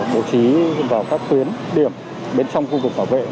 bố trí vào các tuyến điểm bên trong khu vực bảo vệ